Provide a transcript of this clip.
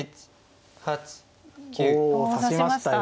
お指しましたよ。